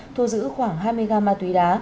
thu giữ khoảng hai mươi gram ma túy đá